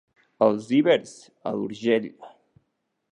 "Els ibers a l'Urgell"